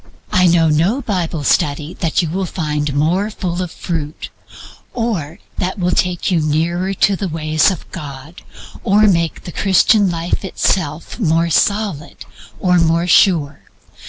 I know no Bible study that you will find more full of fruit, or which will take you nearer to the ways of God, or make the Christian life itself more solid or more sure.